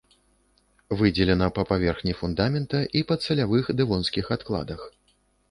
Выдзелена па паверхні фундамента і падсалявых дэвонскіх адкладах.